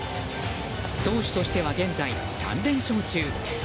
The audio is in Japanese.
投手としては現在、３連勝中。